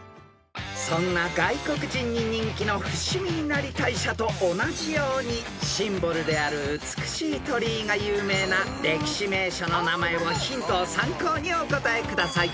［そんな外国人に人気の伏見稲荷大社と同じようにシンボルである美しい鳥居が有名な歴史名所の名前をヒントを参考にお答えください］